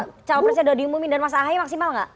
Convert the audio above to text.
kalau cawapresnya udah diumumin dan mas ahai maksimal gak